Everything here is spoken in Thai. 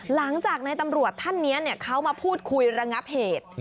หลังจากในตำรวจท่านนี้เขามาพูดคุยระงับเหตุ